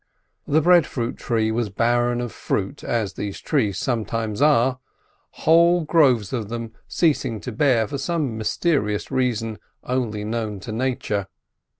The breadfruit tree was barren of fruit, as these trees sometimes are, whole groves of them ceasing to bear for some mysterious reason only known to Nature.